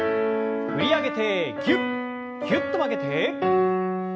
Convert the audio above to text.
振り上げてぎゅっぎゅっと曲げて。